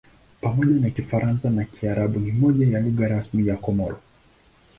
Pamoja na Kifaransa na Kiarabu ni moja ya lugha rasmi ya Komori.